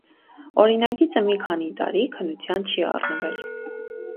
Օրինագիծը մի քանի տարի քննության չի առնվել։